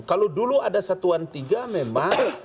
kalau dulu ada satuan tiga memang